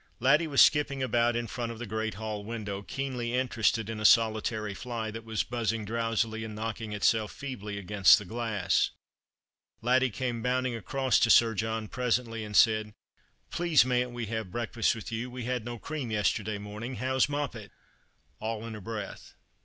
Laddie was skipping about in front of the great hall window, keenly interested in a solitary fly that was buzzing drowsily and knocking itself feebly against the glass. Laddie came bounding across to 8ir John presently, and said — The Christmas Hirelings. 233 " Please mayn't we have breakfast with you, we had no cream yesterday morning, how's Moppet ?" all in a breath.